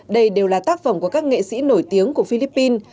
đây đều là tác phẩm của các nghệ sĩ nổi tiếng của philippines